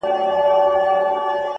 ستا هره گيله مي لا په ياد کي ده؛